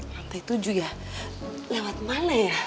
lantai tujuh ya lewat mana ya